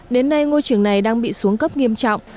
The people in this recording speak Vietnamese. đến nay ngôi trường này đang bị xuống cấp nghiêm trọng